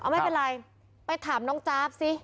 ไม่เป็นไรไปถามน้องจ๊าบสิ